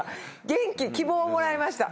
元気希望をもらいました。